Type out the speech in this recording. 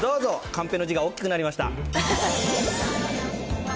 カンペの字が大きくなりました。